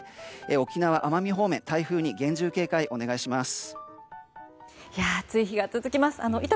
沖縄、奄美方面、台風に厳重な警戒をお願いします。